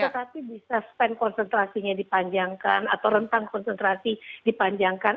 tetapi bisa span konsentrasinya dipanjangkan atau rentang konsentrasi dipanjangkan